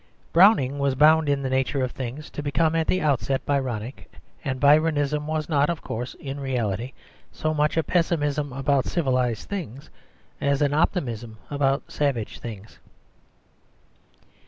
Browning was bound in the nature of things to become at the outset Byronic, and Byronism was not, of course, in reality so much a pessimism about civilised things as an optimism about savage things.